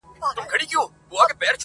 • نه روپۍ به له جېبو څخه ورکیږي -